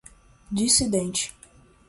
dissidente